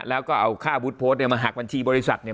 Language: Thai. แล้วก็เอาค่าบุตรโพสต์เนี่ยมาหักบัญชีบริษัทเนี่ย